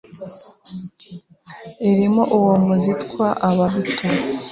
irimo uwo mu zitwa Ababito